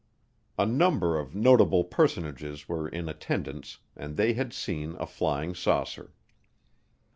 A number of notable personages were in attendance and they had seen a flying saucer.